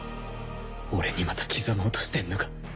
俺にまた刻もうとしてんのか。